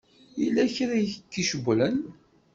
Yella kra i k-icewwlen?